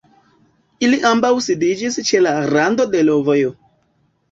Ili ambaŭ sidiĝis ĉe la rando de l'vojo.